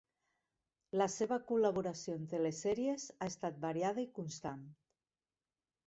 La seva col·laboració en telesèries ha estat variada i constant.